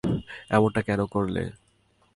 অমনটা কেন করলে?